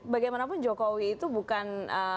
bagaimanapun jokowi itu bukan